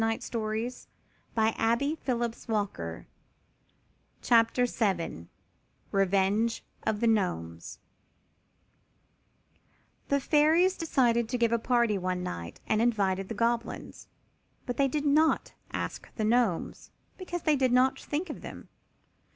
THE REVENGE OF THE GNOMES [Illustration: Revenge of the Gnomes] The Fairies decided to give a party one night, and invited the Goblins, but they did not ask the Gnomes, because they did not think of them.